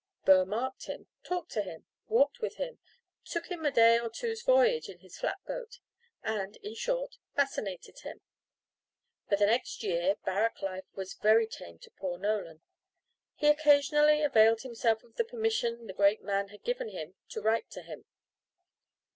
Burr marked him, talked to him, walked with him, took him a day or two's voyage in his flat boat, and, in short, fascinated him. For the next year, barrack life was very tame to poor Nolan. He occasionally availed himself of the permission the great man had given him to write to him.